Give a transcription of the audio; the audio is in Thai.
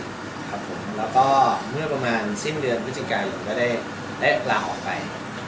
แล้วก็เมื่อประมาณสิ้นเดือนผู้จัดการก็ได้ลาออกไป